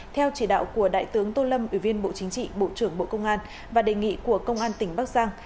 theo chỉ đạo của đại tướng tô lâm ủy viên bộ chính trị bộ trưởng bộ công an và đề nghị của công an tỉnh bắc giang